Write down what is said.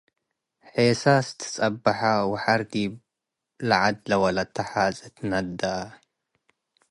ሔሳስ ትጸበሐ ወሐር ዲብ ለዐድ ለወለተ ሓጺ ትነድአ ።